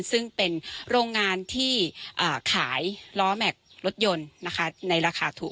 ซึ่งเป็นโรงงานที่ขายล้อแม็กซ์รถยนต์นะคะในราคาถูก